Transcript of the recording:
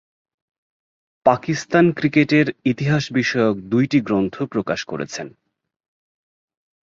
পাকিস্তান ক্রিকেটের ইতিহাস বিষয়ক দুইটি গ্রন্থ প্রকাশ করেছেন।